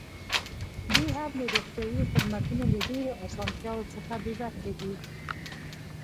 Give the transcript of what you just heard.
دوی هم د روغتیايي خدمتونو له ډېرو اسانتیاوو څخه بې برخې دي.